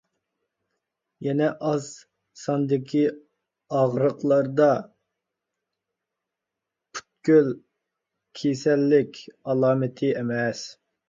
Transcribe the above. يەنە ئاز ساندىكى ئاغرىقلاردا پۈتكۈل كېسەللىك ئالامىتى ئەمەس.